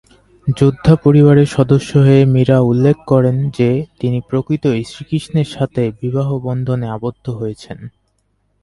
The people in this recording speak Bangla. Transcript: যোদ্ধা পরিবারের সদস্য হয়ে মীরা উল্লেখ করেন যে তিনি প্রকৃতই শ্রীকৃষ্ণের সাথে বিবাহবন্ধনে আবদ্ধ হয়েছেন।